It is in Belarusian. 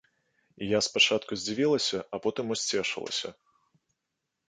І я спачатку здзівілася, а потым усцешылася.